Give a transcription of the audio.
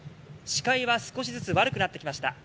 視界は少しずつ悪くなってきました。